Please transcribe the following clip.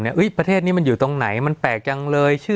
สวัสดีครับทุกผู้ชม